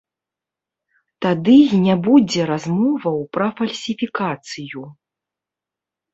Тады і не будзе размоваў пра фальсіфікацыю.